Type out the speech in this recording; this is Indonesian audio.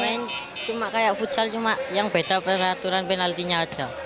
main cuma kayak futsal cuma yang beda peraturan penaltinya aja